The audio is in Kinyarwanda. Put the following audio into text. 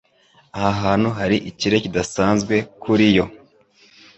Aha hantu hari ikirere kidasanzwe kuri yo.